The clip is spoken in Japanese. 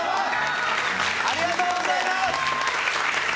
ありがとうございます！